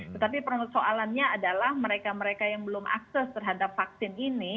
tetapi persoalannya adalah mereka mereka yang belum akses terhadap vaksin ini